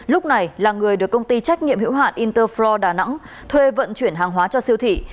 lúc này là người được công ty trách nhiệm hữu hạn interflo đà nẵng thuê vận chuyển hàng hóa cho siêu thị